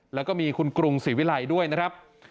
แล้วก็มีคุณกรุงศรีวิลัยด้วยนะครับ